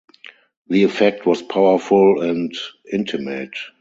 The effect was powerful and intimate.